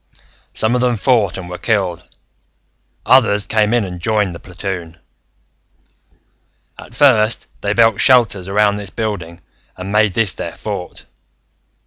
"Some of them fought and were killed, others came in and joined the platoon. "At first, they built shelters around this building and made this their fort.